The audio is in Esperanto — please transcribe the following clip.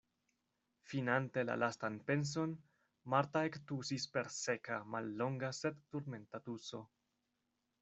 Finante la lastan penson, Marta ektusis per seka, mallonga sed turmenta tuso.